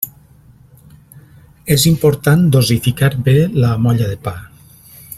És important dosificar bé la molla de pa.